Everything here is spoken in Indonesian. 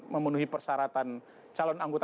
memenuhi persyaratan calon anggota